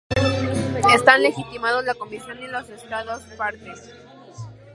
Están legitimados la Comisión y los Estados parte.